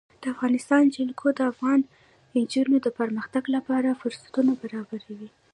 د افغانستان جلکو د افغان نجونو د پرمختګ لپاره فرصتونه برابروي.